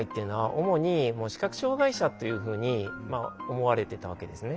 主に視覚障害者というふうに思われてたわけですね。